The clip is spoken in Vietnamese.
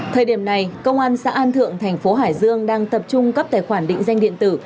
thời điểm này công an xã an thượng thành phố hải dương đang tập trung cấp tài khoản định danh điện tử